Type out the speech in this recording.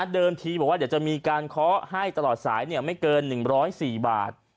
ทีบอกว่าเดี๋ยวจะมีการเคาะให้ตลอดสายไม่เกิน๑๐๔บาท